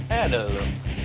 eh aduh lo